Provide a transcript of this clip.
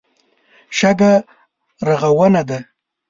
شګه رغونه ده.